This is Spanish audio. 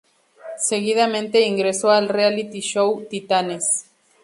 Seguidamente ingresó al reality show "Titanes".